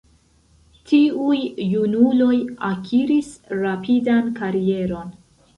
Tiuj junuloj akiris rapidan karieron.